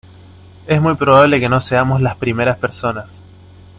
es muy probable que no seamos las primeras personas